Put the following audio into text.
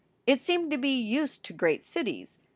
It seemed to be used to great cities.